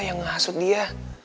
yang ngasut dia